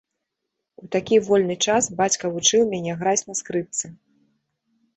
У такі вольны час бацька вучыў мяне граць на скрыпцы.